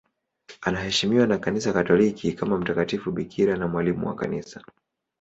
Anaheshimiwa na Kanisa Katoliki kama mtakatifu bikira na mwalimu wa Kanisa.